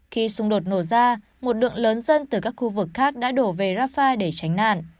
khi xung đột nổ ra một lượng lớn dân từ các khu vực khác đã đổ về rafah để tránh nạn